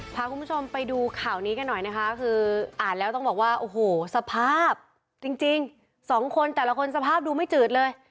พาคุณผู้ชมไปดูข่าวนี้กันหน่อยนะคะคืออ่านแล้วต้องบอกว่าโอ้โหสภาพจริงสองคนแต่ละคนสภาพดูไม่จืดเลย